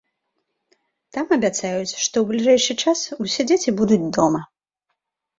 Там абяцаюць, што ў бліжэйшы час усе дзеці будуць дома.